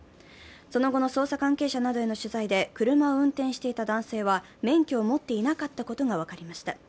その後の捜査関係者などへの取材で車を運転していた男性は免許を持っていなかったことが分かりました。